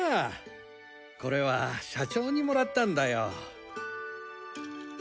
これは社長にもらったんだよ。